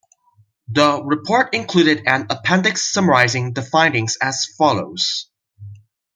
The report included an Appendix summarising the findings as follows.